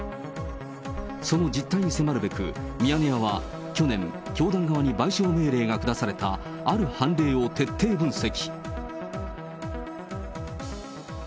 その実態に迫るべく、ミヤネ屋は去年、教団側に賠償命令が下されたある判例を徹底分析。